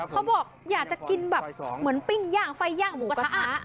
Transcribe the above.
เขาบอกอยากจะกินแบบเหมือนปิ้งย่างไฟย่างหมูกระทะ